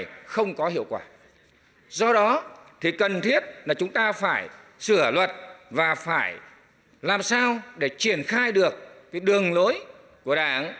chúng ta sẽ không có hiệu quả do đó thì cần thiết là chúng ta phải sửa luật và phải làm sao để triển khai được cái đường lối của đảng